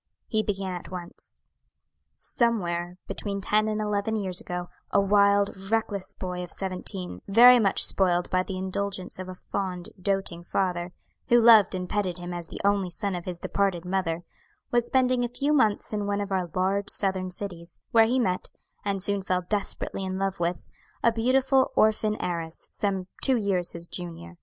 He began at once. "Somewhere between ten and eleven years ago, a wild, reckless boy of seventeen, very much spoiled by the indulgence of a fond, doting father, who loved and petted him as the only son of his departed mother, was spending a few months in one of our large Southern cities, where he met, and soon fell desperately in love with, a beautiful orphan heiress, some two years his junior.